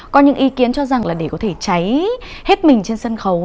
có những ý kiến cho rằng là để có thể cháy hết mình trên sân khấu